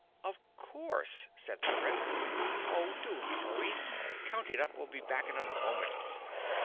"Of course," said the Prince. "Oh! Do hurry. Count It Up will be back in a moment!"